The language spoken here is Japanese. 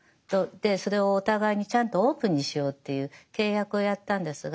それをお互いにちゃんとオープンにしようという契約をやったんですが。